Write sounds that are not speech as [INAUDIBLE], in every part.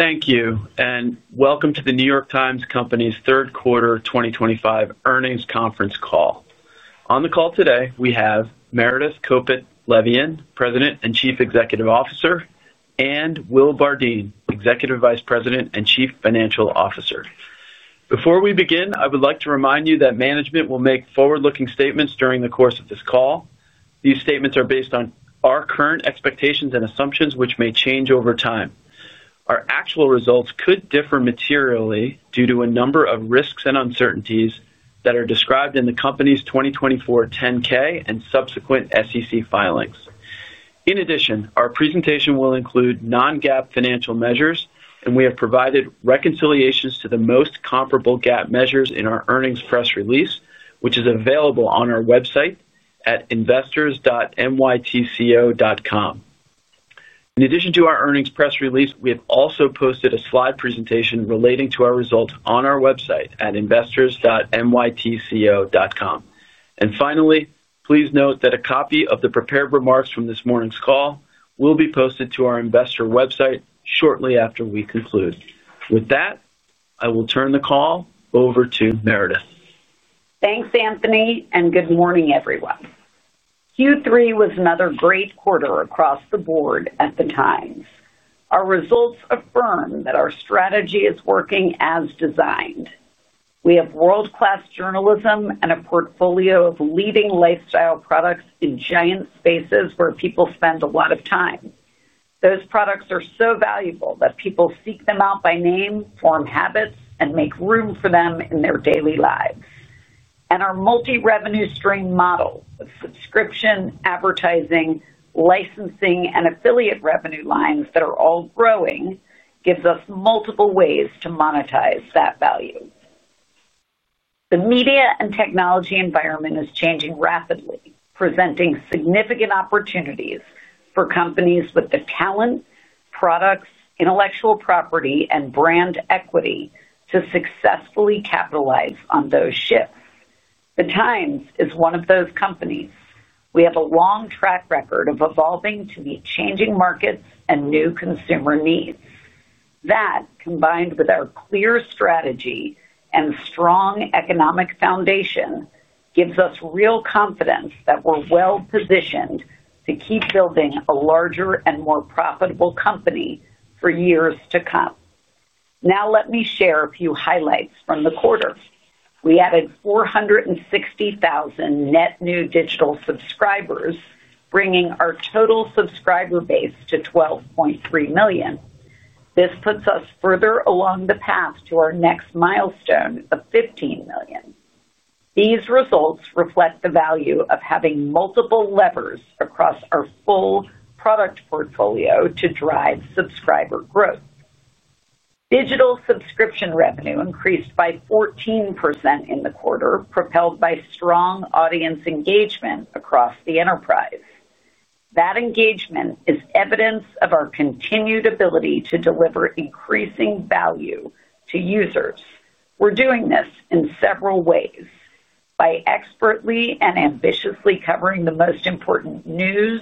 Thank you, and welcome to the New York Times Co's Third Quarter 2025 Earnings Conference Call. On the call today, we have Meredith Kopit Levien, President and Chief Executive Officer, and Will Bardeen, Executive Vice President and Chief Financial Officer. Before we begin, I would like to remind you that management will make forward-looking statements during the course of this call. These statements are based on our current expectations and assumptions, which may change over time. Our actual results could differ materially due to a number of risks and uncertainties that are described in the company's 2024 10-K and subsequent SEC filings. In addition, our presentation will include non-GAAP financial measures, and we have provided reconciliations to the most comparable GAAP measures in our earnings press release, which is available on our website at investors.nytco.com. In addition to our earnings press release, we have also posted a slide presentation relating to our results on our website at investors.nytco.com. Finally, please note that a copy of the prepared remarks from this morning's call will be posted to our investor website shortly after we conclude. With that, I will turn the call over to Meredith. Thanks, Anthony, and good morning, everyone. Q3 was another great quarter across the board at The Times. Our results affirm that our strategy is working as designed. We have world-class journalism and a portfolio of leading lifestyle products in giant spaces where people spend a lot of time. Those products are so valuable that people seek them out by name, form habits, and make room for them in their daily lives. Our multi-revenue stream model of subscription, advertising, licensing, and affiliate revenue lines that are all growing gives us multiple ways to monetize that value. The media and technology environment is changing rapidly, presenting significant opportunities for companies with the talent, products, intellectual property, and brand equity to successfully capitalize on those shifts. The Times is one of those companies. We have a long track record of evolving to meet changing markets and new consumer needs. That, combined with our clear strategy and strong economic foundation, gives us real confidence that we're well-positioned to keep building a larger and more profitable company for years to come. Now, let me share a few highlights from the quarter. We added 460,000 net new digital subscribers, bringing our total subscriber base to 12.3 million. This puts us further along the path to our next milestone of 15 million. These results reflect the value of having multiple levers across our full product portfolio to drive subscriber growth. Digital subscription revenue increased by 14% in the quarter, propelled by strong audience engagement across the enterprise. That engagement is evidence of our continued ability to deliver increasing value to users. We're doing this in several ways: by expertly and ambitiously covering the most important news,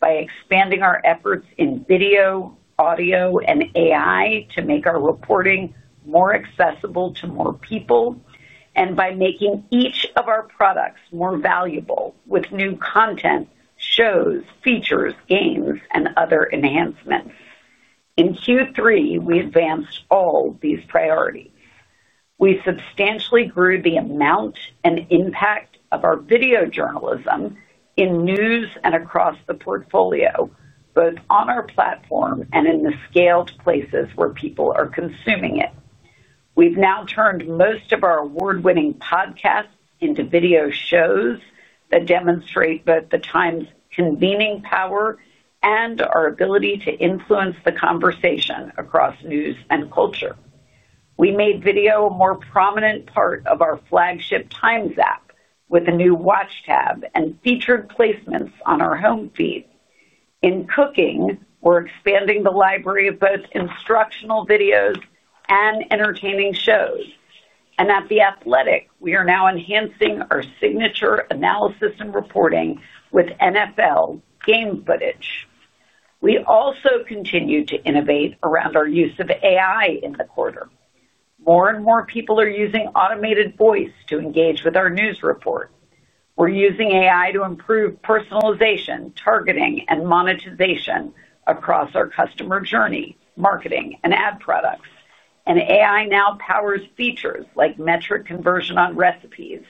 by expanding our efforts in video, audio, and AI to make our reporting more accessible to more people. By making each of our products more valuable with new content, shows, features, games, and other enhancements. In Q3, we advanced all these priorities. We substantially grew the amount and impact of our video journalism in news and across the portfolio, both on our platform and in the scaled places where people are consuming it. We've now turned most of our award-winning podcasts into video shows that demonstrate both The Times' convening power and our ability to influence the conversation across news and culture. We made video a more prominent part of our flagship Times app with a new Watch tab and featured placements on our home feed. In Cooking, we're expanding the library of both instructional videos and entertaining shows. At The Athletic, we are now enhancing our signature analysis and reporting with NFL game footage. We also continue to innovate around our use of AI in the quarter. More and more people are using automated voice to engage with our news report. We're using AI to improve personalization, targeting, and monetization across our customer journey, marketing, and ad products. AI now powers features like metric conversion on recipes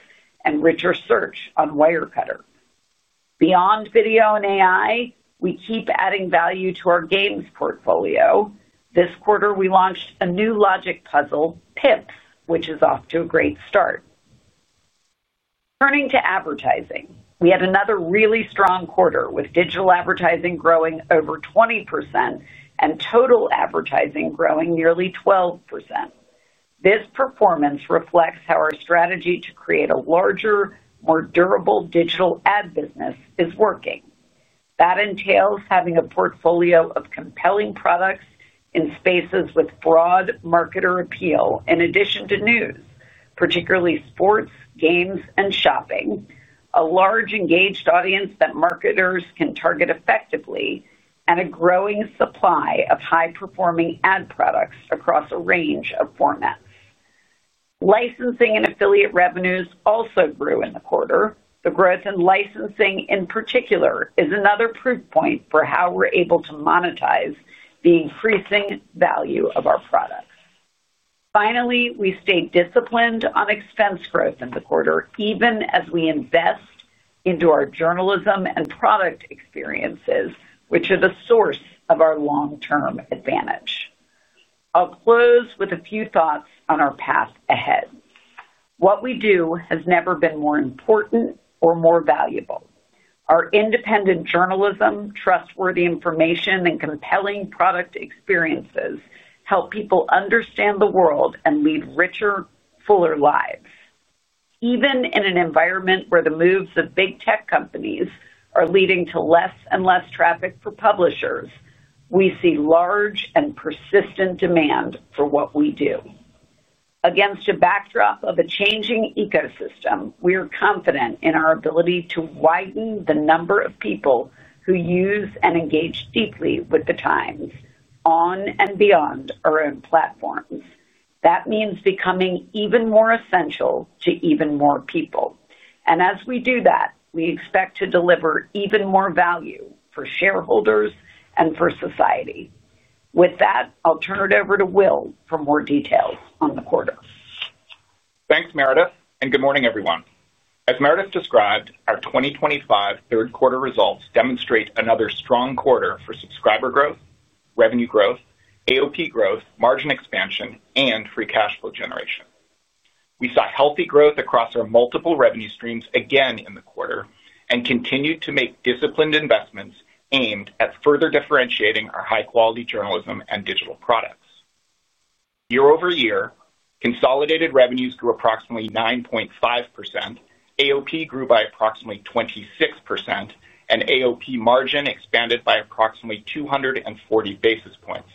and richer search on Wirecutter. Beyond video and AI, we keep adding value to our Games portfolio. This quarter, we launched a new logic puzzle, Pips, which is off to a great start. Turning to advertising, we had another really strong quarter with digital advertising growing over 20% and total advertising growing nearly 12%. This performance reflects how our strategy to create a larger, more durable digital ad business is working. That entails having a portfolio of compelling products in spaces with broad marketer appeal, in addition to news, particularly sports, games, and shopping, a large engaged audience that marketers can target effectively, and a growing supply of high-performing ad products across a range of formats. Licensing and affiliate revenues also grew in the quarter. The growth in licensing, in particular, is another proof point for how we're able to monetize the increasing value of our products. Finally, we stayed disciplined on expense growth in the quarter, even as we invest into our journalism and product experiences, which are the source of our long-term advantage. I'll close with a few thoughts on our path ahead. What we do has never been more important or more valuable. Our independent journalism, trustworthy information, and compelling product experiences help people understand the world and lead richer, fuller lives. Even in an environment where the moves of big tech companies are leading to less and less traffic for publishers, we see large and persistent demand for what we do. Against a backdrop of a changing ecosystem, we are confident in our ability to widen the number of people who use and engage deeply with The Times on and beyond our own platforms. That means becoming even more essential to even more people. As we do that, we expect to deliver even more value for shareholders and for society. With that, I'll turn it over to Will for more details on the quarter. Thanks, Meredith, and good morning, everyone. As Meredith described, our 2025 third quarter results demonstrate another strong quarter for subscriber growth, revenue growth, AOP growth, margin expansion, and free cash flow generation. We saw healthy growth across our multiple revenue streams again in the quarter and continued to make disciplined investments aimed at further differentiating our high-quality journalism and digital products. Year-over-year, consolidated revenues grew approximately 9.5%, AOP grew by approximately 26%, and AOP margin expanded by approximately 240 basis points.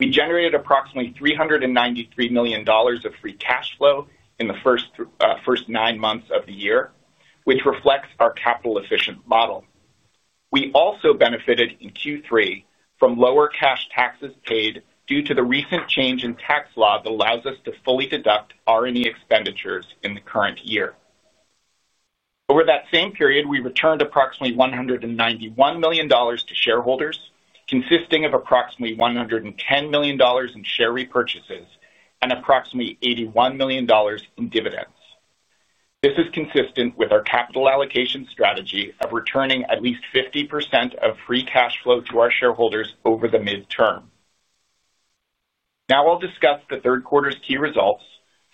We generated approximately $393 million of free cash flow in the first nine months of the year, which reflects our capital-efficient model. We also benefited in Q3 from lower cash taxes paid due to the recent change in tax law that allows us to fully deduct R&D expenditures in the current year. Over that same period, we returned approximately $191 million to shareholders, consisting of approximately $110 million in share repurchases and approximately $81 million in dividends. This is consistent with our capital allocation strategy of returning at least 50% of free cash flow to our shareholders over the midterm. Now I'll discuss the third quarter's key results,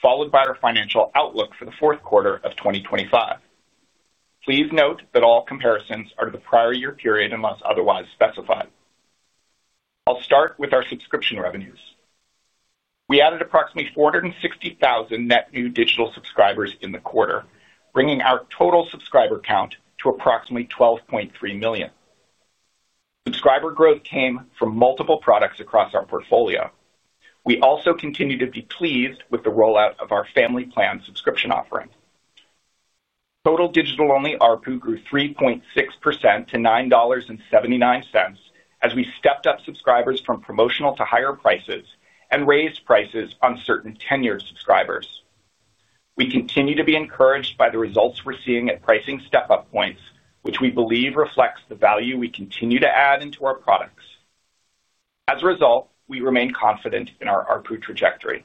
followed by our financial outlook for the fourth quarter of 2025. Please note that all comparisons are to the prior year period unless otherwise specified. I'll start with our subscription revenues. We added approximately 460,000 net new digital subscribers in the quarter, bringing our total subscriber count to approximately 12.3 million. Subscriber growth came from multiple products across our portfolio. We also continue to be pleased with the rollout of our family plan subscription offering. Total digital-only ARPU grew 3.6% to $9.79 as we stepped up subscribers from promotional to higher prices and raised prices on certain tenured subscribers. We continue to be encouraged by the results we're seeing at pricing step-up points, which we believe reflects the value we continue to add into our products. As a result, we remain confident in our ARPU trajectory.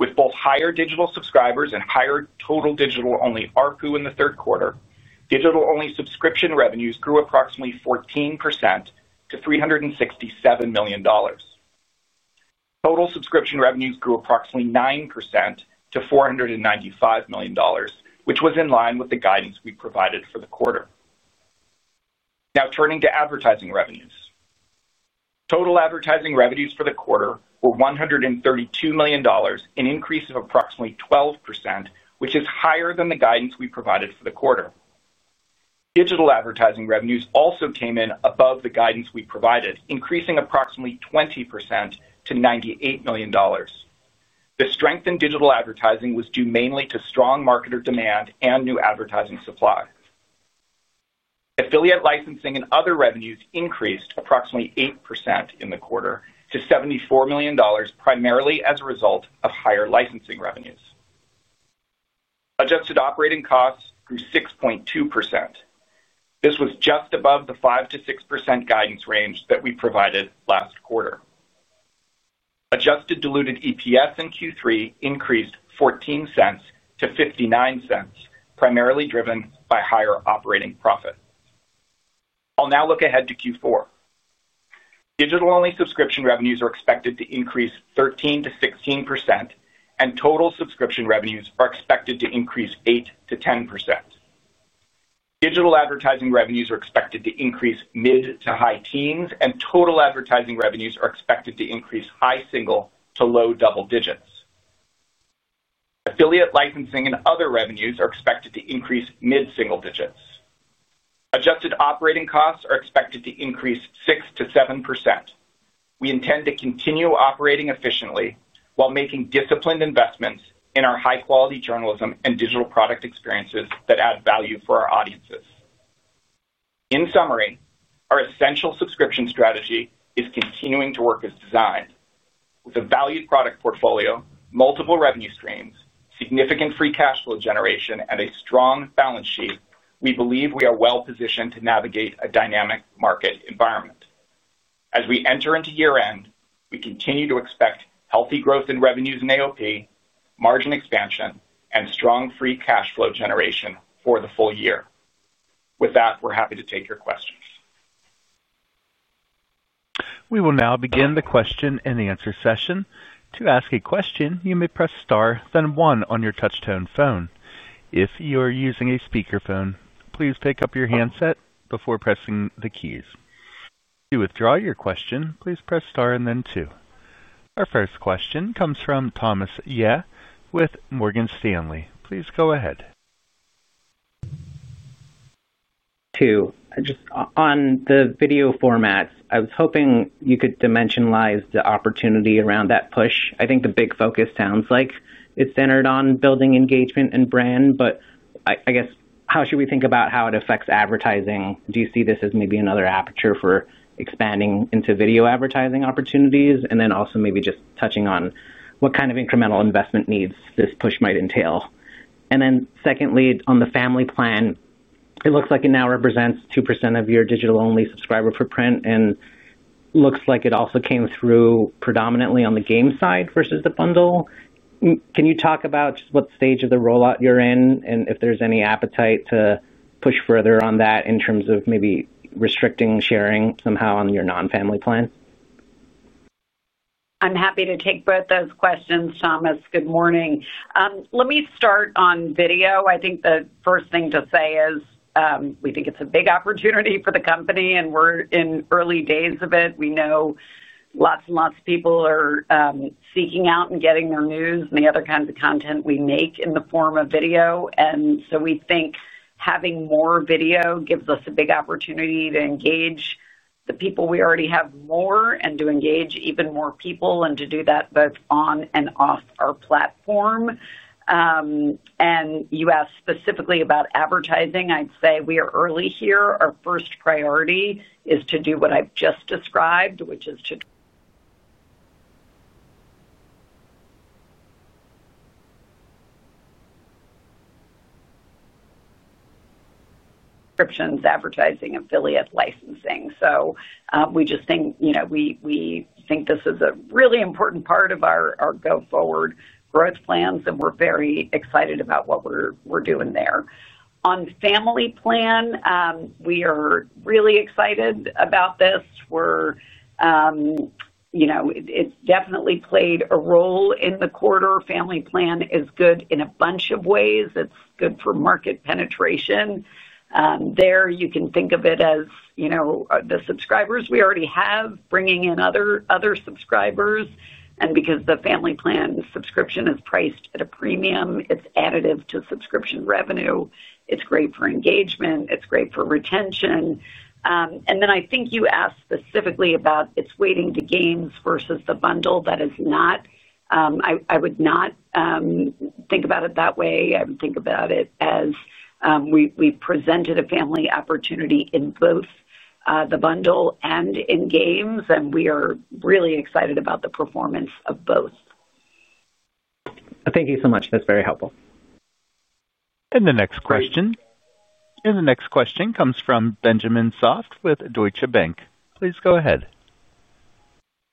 With both higher digital subscribers and higher total digital-only ARPU in the third quarter, digital-only subscription revenues grew approximately 14% to $367 million. Total subscription revenues grew approximately 9% to $495 million, which was in line with the guidance we provided for the quarter. Now turning to advertising revenues. Total advertising revenues for the quarter were $132 million, an increase of approximately 12%, which is higher than the guidance we provided for the quarter. Digital advertising revenues also came in above the guidance we provided, increasing approximately 20% to $98 million. The strength in digital advertising was due mainly to strong marketer demand and new advertising supply. Affiliate licensing and other revenues increased approximately 8% in the quarter to $74 million, primarily as a result of higher licensing revenues. Adjusted operating costs grew 6.2%. This was just above the 5%-6% guidance range that we provided last quarter. Adjusted diluted EPS in Q3 increased $0.14-$0.59, primarily driven by higher operating profit. I'll now look ahead to Q4. Digital-only subscription revenues are expected to increase 13%-16%, and total subscription revenues are expected to increase 8%-10%. Digital advertising revenues are expected to increase mid to high teens, and total advertising revenues are expected to increase high single to low double digits. Affiliate licensing and other revenues are expected to increase mid-single digits. Adjusted operating costs are expected to increase 6%-7%. We intend to continue operating efficiently while making disciplined investments in our high-quality journalism and digital product experiences that add value for our audiences. In summary, our essential subscription strategy is continuing to work as designed. With a valued product portfolio, multiple revenue streams, significant free cash flow generation, and a strong balance sheet, we believe we are well-positioned to navigate a dynamic market environment. As we enter into year-end, we continue to expect healthy growth in revenues and AOP, margin expansion, and strong free cash flow generation for the full year. With that, we're happy to take your questions. We will now begin the question-and-answer session. To ask a question, you may press star, then one on your touch-tone phone. If you are using a speakerphone, please pick up your handset before pressing the keys. To withdraw your question, please press star and then two. Our first question comes from Thomas Yeh with Morgan Stanley. Please go ahead. Two. Just on the video format, I was hoping you could dimensionalize the opportunity around that push. I think the big focus sounds like it's centered on building engagement and brand, but I guess how should we think about how it affects advertising? Do you see this as maybe another aperture for expanding into video advertising opportunities? Also, maybe just touching on what kind of incremental investment needs this push might entail. Secondly, on the family plan, it looks like it now represents 2% of your digital-only subscriber footprint and looks like it also came through predominantly on the game side versus the bundle. Can you talk about just what stage of the rollout you're in and if there's any appetite to push further on that in terms of maybe restricting sharing somehow on your non-family plan? I'm happy to take both those questions, Thomas. Good morning. Let me start on video. I think the first thing to say is we think it's a big opportunity for the company, and we're in early days of it. We know lots and lots of people are seeking out and getting their news and the other kinds of content we make in the form of video. We think having more video gives us a big opportunity to engage the people we already have more and to engage even more people and to do that both on and off our platform. You asked specifically about advertising. I'd say we are early here. Our first priority is to do what I've just described, which is [AUDIO DISTORTION] advertising, affiliate licensing. We just think. We think this is a really important part of our go-forward growth plans, and we're very excited about what we're doing there. On Family Plan, we are really excited about this. It definitely played a role in the quarter. Family Plan is good in a bunch of ways. It's good for market penetration. There, you can think of it as the subscribers we already have bringing in other subscribers. And because the Family Plan subscription is priced at a premium, it's additive to subscription revenue. It's great for engagement. It's great for retention. I think you asked specifically about its weighting to games versus the bundle. That is not, I would not think about it that way. I would think about it as we presented a family opportunity in both the bundle and in games, and we are really excited about the performance of both. Thank you so much. That's very helpful. The next question comes from Benjamin Soff with Deutsche Bank. Please go ahead.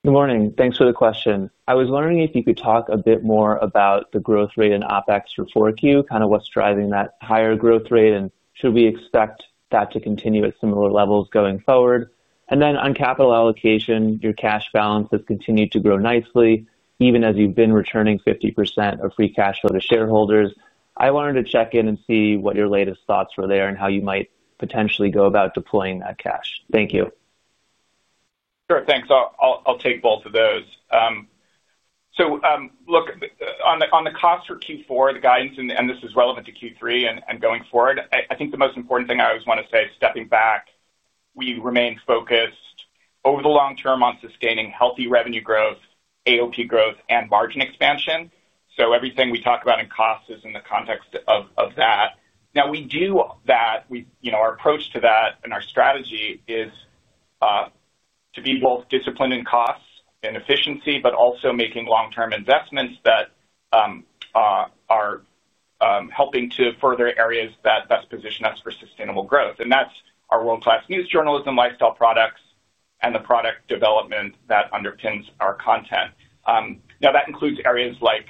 Good morning. Thanks for the question. I was wondering if you could talk a bit more about the growth rate in OpEx for 4Q, kind of what's driving that higher growth rate, and should we expect that to continue at similar levels going forward? On capital allocation, your cash balance has continued to grow nicely, even as you've been returning 50% of free cash flow to shareholders. I wanted to check in and see what your latest thoughts were there and how you might potentially go about deploying that cash. Thank you. Sure. Thanks. I'll take both of those. Look, on the cost for Q4, the guidance, and this is relevant to Q3 and going forward, I think the most important thing I always want to say is stepping back. We remain focused over the long term on sustaining healthy revenue growth, AOP growth, and margin expansion. Everything we talk about in cost is in the context of that. We do that. Our approach to that and our strategy is to be both disciplined in costs and efficiency, but also making long-term investments that are helping to further areas that best position us for sustainable growth. That's our world-class news journalism, lifestyle products, and the product development that underpins our content. That includes areas like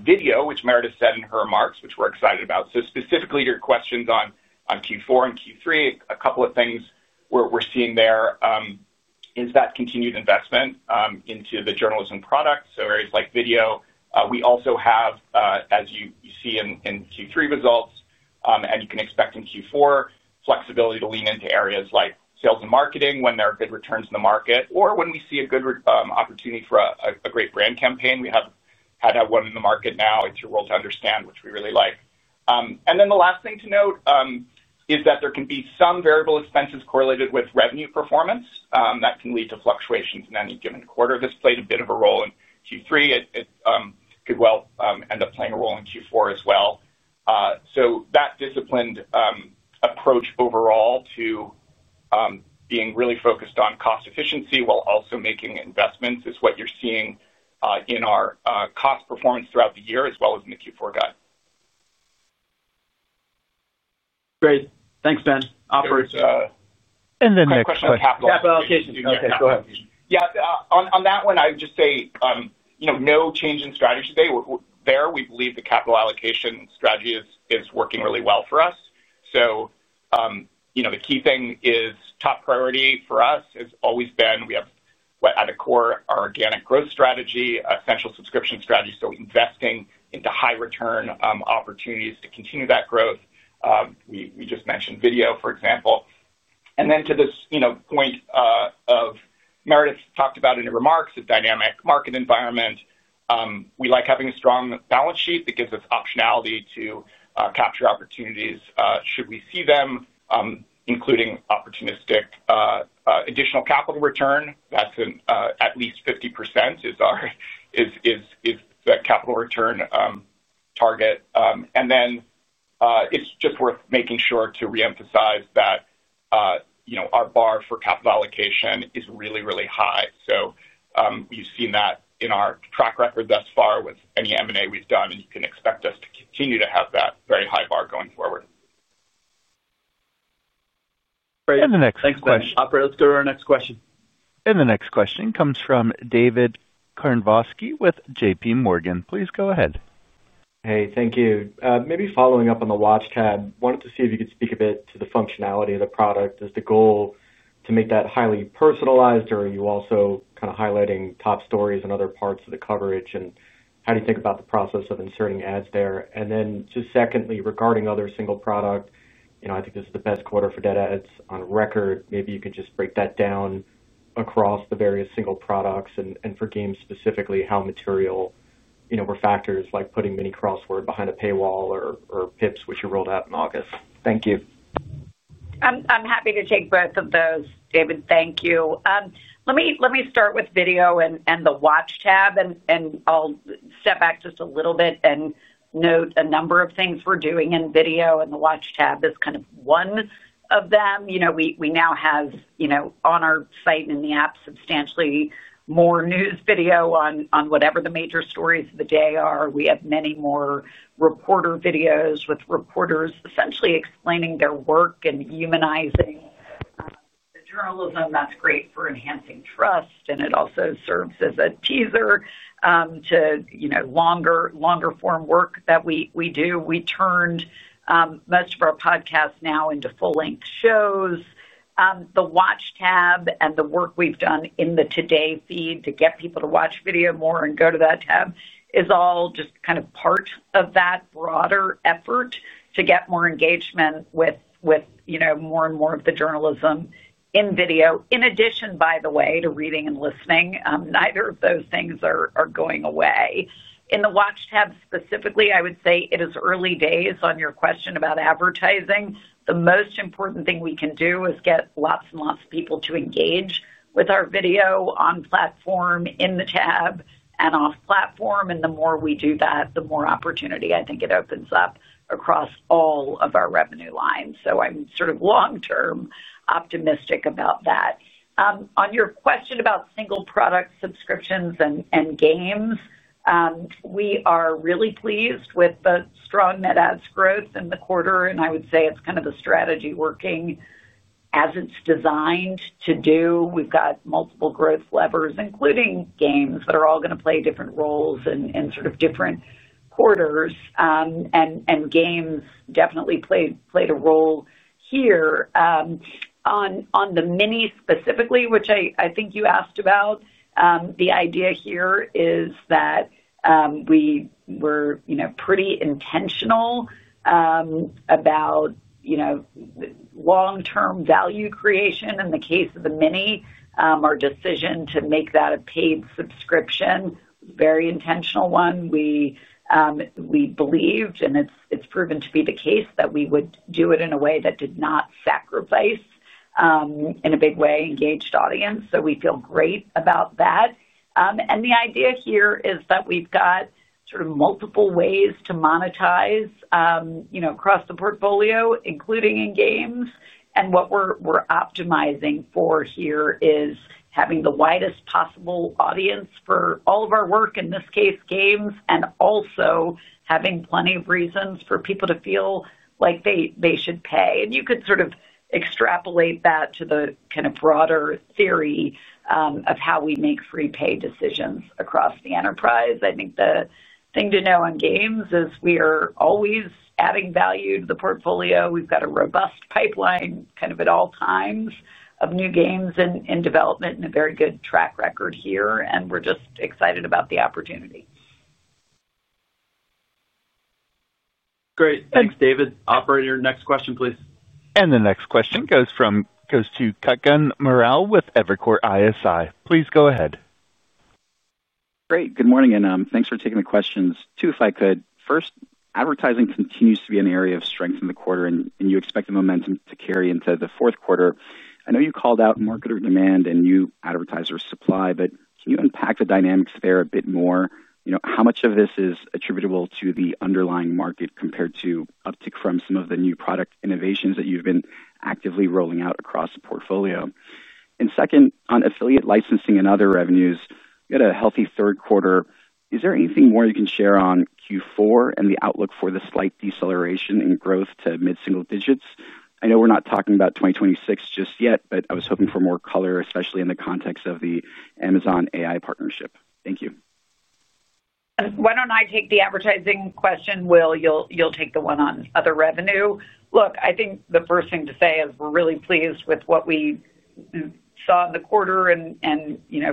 video, which Meredith said in her remarks, which we're excited about. Specifically to your questions on Q4 and Q3, a couple of things we're seeing there. That continued investment into the journalism product, so areas like video. We also have, as you see in Q3 results, and you can expect in Q4, flexibility to lean into areas like sales and marketing when there are good returns in the market or when we see a good opportunity for a great brand campaign. We have had one in the market now. It's your world to understand, which we really like. The last thing to note is that there can be some variable expenses correlated with revenue performance that can lead to fluctuations in any given quarter. This played a bit of a role in Q3. It could well end up playing a role in Q4 as well. That disciplined approach overall to being really focused on cost efficiency while also making investments is what you're seeing in our cost performance throughout the year as well as in the Q4 guide. Great. Thanks, Ben. [CROSSTALK] Yeah. On that one, I would just say no change in strategy today. There, we believe the capital allocation strategy is working really well for us. The key thing is top priority for us has always been we have at the core our organic growth strategy, essential subscription strategy, so investing into high-return opportunities to continue that growth. We just mentioned video, for example. To this point, Meredith talked about in her remarks, a dynamic market environment. We like having a strong balance sheet that gives us optionality to capture opportunities should we see them, including opportunistic additional capital return. That is at least 50% is that capital return target. It is just worth making sure to reemphasize that our bar for capital allocation is really, really high. We have seen that in our track record thus far with any M&A we have done, and you can expect us to continue to have that very high bar going forward. [CROSSTALK] Operator, next question. The next question comes from David Karnovsky with JPMorgan. Please go ahead. Hey, thank you. Maybe following up on the Watch tab, wanted to see if you could speak a bit to the functionality of the product. Is the goal to make that highly personalized, or are you also kind of highlighting top stories and other parts of the coverage? How do you think about the process of inserting ads there? Secondly, regarding other single product, I think this is the best quarter for dead ads on record. Maybe you could just break that down across the various single products and for games specifically, how material were factors like putting Mini Crossword behind a paywall or Pips, which you rolled out in August. Thank you. I'm happy to take both of those, David. Thank you. Let me start with video and the Watch tab, and I'll step back just a little bit and note a number of things we're doing in video, and the Watch tab is kind of one of them. We now have, on our site and in the app, substantially more news video on whatever the major stories of the day are. We have many more reporter videos with reporters essentially explaining their work and humanizing the journalism. That's great for enhancing trust, and it also serves as a teaser to longer-form work that we do. We turned most of our podcasts now into full-length shows. The Watch tab and the work we have done in the Today feed to get people to watch video more and go to that tab is all just kind of part of that broader effort to get more engagement with more and more of the journalism in video. In addition, by the way, to reading and listening, neither of those things are going away. In the Watch tab specifically, I would say it is early days on your question about advertising. The most important thing we can do is get lots and lots of people to engage with our video on platform, in the tab, and off platform. The more we do that, the more opportunity I think it opens up across all of our revenue lines. I am sort of long-term optimistic about that. On your question about single product subscriptions and games. We are really pleased with the strong net ads growth in the quarter, and I would say it's kind of a strategy working as it's designed to do. We've got multiple growth levers, including games, that are all going to play different roles in sort of different quarters. Games definitely played a role here. On the Mini specifically, which I think you asked about, the idea here is that we were pretty intentional about long-term value creation. In the case of the Mini, our decision to make that a paid subscription was a very intentional one. We believed, and it's proven to be the case, that we would do it in a way that did not sacrifice in a big way engaged audience. We feel great about that. The idea here is that we've got sort of multiple ways to monetize across the portfolio, including in games. What we are optimizing for here is having the widest possible audience for all of our work, in this case, games, and also having plenty of reasons for people to feel like they should pay. You could sort of extrapolate that to the kind of broader theory of how we make free pay decisions across the enterprise. I think the thing to know on games is we are always adding value to the portfolio. We have got a robust pipeline kind of at all times of new games in development and a very good track record here, and we are just excited about the opportunity. Great. Thanks, David. Operator, next question, please. The next question goes to Kutgun Maral with Evercore ISI. Please go ahead. Great. Good morning, and thanks for taking the questions. Two, if I could. First, advertising continues to be an area of strength in the quarter, and you expect the momentum to carry into the fourth quarter. I know you called out market or demand and new advertiser supply, but can you unpack the dynamics there a bit more? How much of this is attributable to the underlying market compared to uptick from some of the new product innovations that you've been actively rolling out across the portfolio? Second, on affiliate licensing and other revenues, we had a healthy third quarter. Is there anything more you can share on Q4 and the outlook for the slight deceleration in growth to mid-single digits? I know we're not talking about 2026 just yet, but I was hoping for more color, especially in the context of the Amazon AI partnership. Thank you. Why don't I take the advertising question, Will? You'll take the one on other revenue. Look, I think the first thing to say is we're really pleased with what we saw in the quarter and,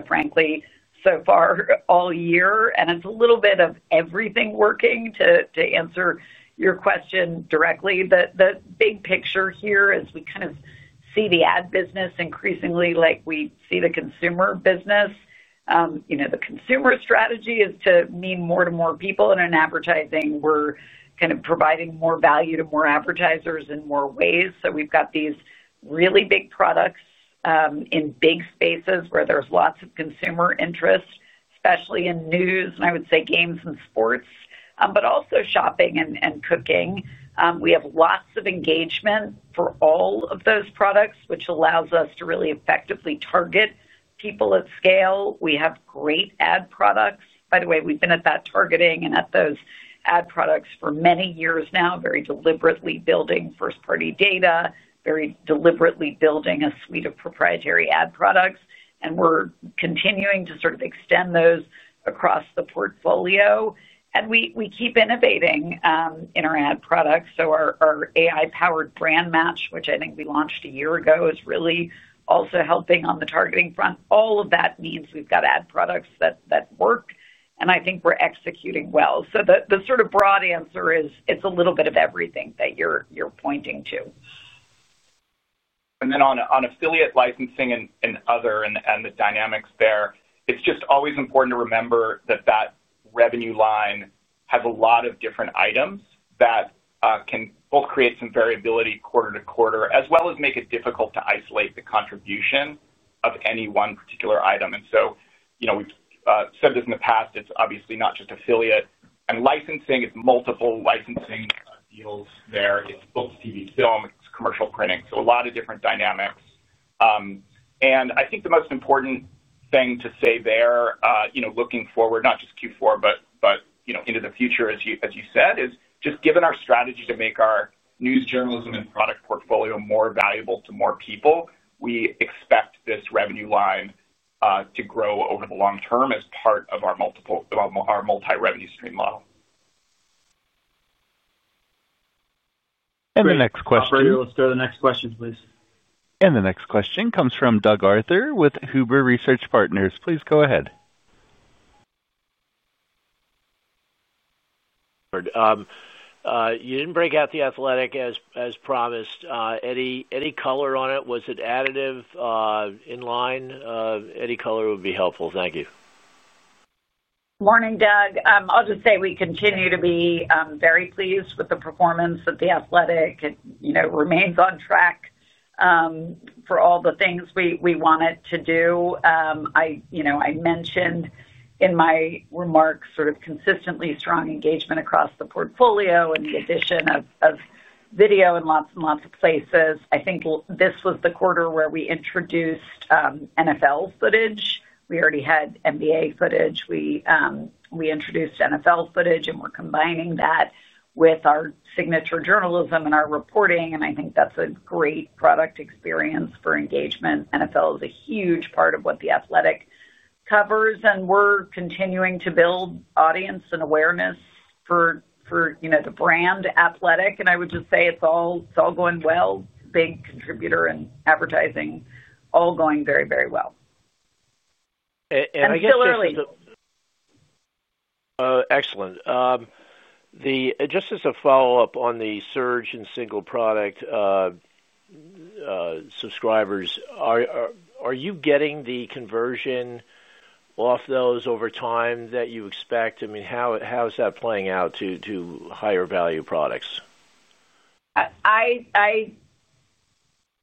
frankly, so far all year. It's a little bit of everything working to answer your question directly. The big picture here is we kind of see the ad business increasingly like we see the consumer business. The consumer strategy is to mean more to more people. In advertising, we're kind of providing more value to more advertisers in more ways. We've got these really big products in big spaces where there's lots of consumer interest, especially in news and I would say games and sports, but also shopping and cooking. We have lots of engagement for all of those products, which allows us to really effectively target people at scale. We have great ad products. By the way, we've been at that targeting and at those ad products for many years now, very deliberately building first-party data, very deliberately building a suite of proprietary ad products. We are continuing to sort of extend those across the portfolio. We keep innovating in our ad products. Our AI-powered brand match, which I think we launched a year ago, is really also helping on the targeting front. All of that means we've got ad products that work, and I think we're executing well. The sort of broad answer is it's a little bit of everything that you're pointing to. On affiliate licensing and other and the dynamics there, it's just always important to remember that that revenue line has a lot of different items that can both create some variability quarter to quarter as well as make it difficult to isolate the contribution of any one particular item. We've said this in the past, it's obviously not just affiliate and licensing. It's multiple licensing deals there. It's both TV film, it's commercial printing. A lot of different dynamics. I think the most important thing to say there, looking forward, not just Q4, but into the future, as you said, is just given our strategy to make our news journalism and product portfolio more valuable to more people, we expect this revenue line to grow over the long term as part of our multi-revenue stream model. Next question. Operator, let's go to the next question, please. The next question comes from Doug Arthur with Huber Research Partners. Please go ahead. You didn't break out The Athletic as promised. Any color on it? Was it additive, in line? Any color would be helpful. Thank you. Morning, Doug. I'll just say we continue to be very pleased with the performance of The Athletic. It remains on track for all the things we wanted to do. I mentioned in my remarks sort of consistently strong engagement across the portfolio and the addition of video in lots and lots of places. I think this was the quarter where we introduced NFL footage. We already had NBA footage. We introduced NFL footage, and we're combining that with our signature journalism and our reporting. I think that's a great product experience for engagement. NFL is a huge part of what The Athletic covers, and we're continuing to build audience and awareness for the brand Athletic. I would just say it's all going well. Big contributor and advertising all going very, very well. [CROSSTALK] Excellent. Just as a follow-up on the surge in single product subscribers, are you getting the conversion off those over time that you expect? I mean, how is that playing out to higher value products? I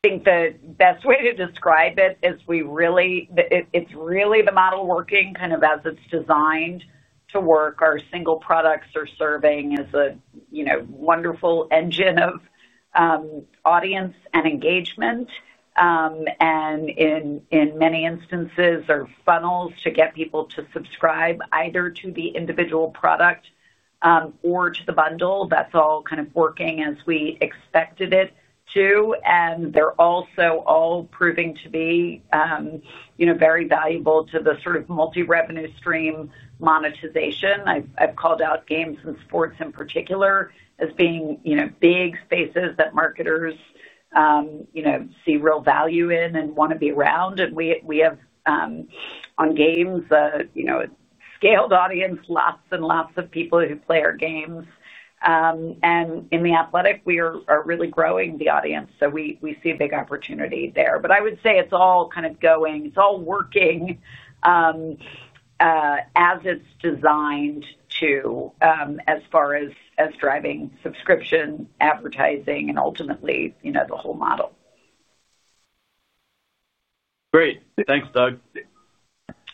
think the best way to describe it is we really—it's really the model working kind of as it's designed to work. Our single products are serving as a wonderful engine of audience and engagement. In many instances, our funnels get people to subscribe either to the individual product or to the bundle. That's all kind of working as we expected it to. They are also all proving to be very valuable to the sort of multi-revenue stream monetization. I've called out games and sports in particular as being big spaces that marketers see real value in and want to be around. We have, on games, a scaled audience, lots and lots of people who play our games. In The Athletic, we are really growing the audience. We see a big opportunity there. I would say it's all kind of going—it's all working as it's designed to, as far as driving subscription, advertising, and ultimately the whole model. Great. Thanks, Doug.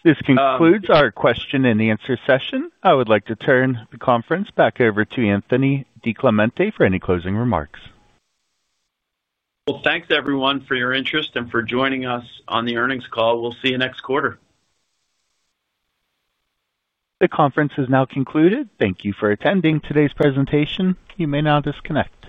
This concludes our question-and-answer session. I would like to turn the conference back over to Anthony DiClemente for any closing remarks. Thanks, everyone, for your interest and for joining us on the earnings call. We'll see you next quarter. The conference has now concluded. Thank you for attending today's presentation. You may now disconnect.